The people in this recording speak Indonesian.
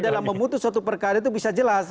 dalam memutus suatu perkara itu bisa jelas